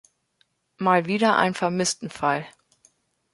Mal wieder ein Vermisstenfall.